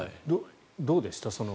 どうでした？